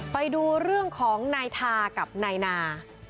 ไปดูเรื่องของนายทากับนายนา